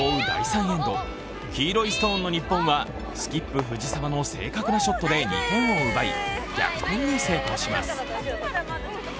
第３エンド、黄色いストーンの日本はスキップ・藤澤の正確なショットで２点を奪い、逆転に成功します。